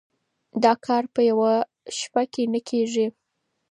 دا کار په يوه شپه کي نه کيږي.